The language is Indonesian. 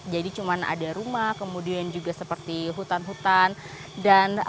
jadi cuma ada rumah kemudian juga seperti hutan hutan